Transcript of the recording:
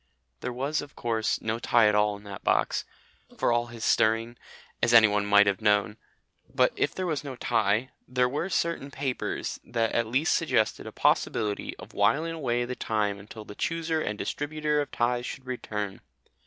There was, of course, no tie at all in that box, for all his stirring as anyone might have known; but, if there was no tie, there were certain papers that at least suggested a possibility of whiling away the time until the Chooser and Distributer of Ties should return.